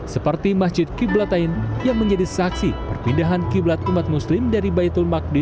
seperti masjid qiblatain yang menjadi saksi perpindahan kiblat umat muslim dari baitul maqdi